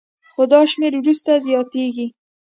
خو دا شمېر وروسته زیاتېږي